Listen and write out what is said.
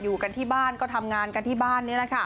อยู่กันที่บ้านก็ทำงานกันที่บ้าน